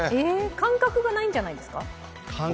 感覚がないんじゃないですか？